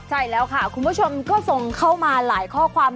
ใช่แล้วค่ะคุณผู้ชมก็ส่งเข้ามาหลายข้อความ